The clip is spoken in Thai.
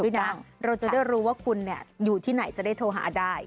เราจะได้รู้ว่าคุณอยู่ที่ไหนจะได้โทรหาได้